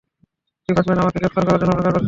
Department আমাকে গ্রেফতার করার জন্য অপেক্ষা করছে।